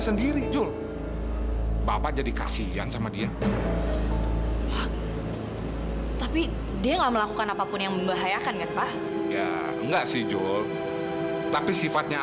sampai jumpa di video selanjutnya